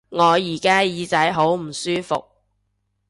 我而家耳仔好唔舒服